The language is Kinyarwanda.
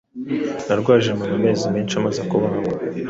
Narwaje mama amezi menshi amaze kubagwa